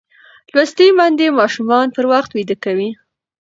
لوستې میندې ماشومان پر وخت ویده کوي.